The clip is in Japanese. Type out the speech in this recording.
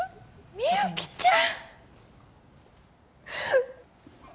みゆきちゃん